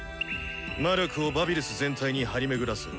魔力をバビルス全体に張り巡らせ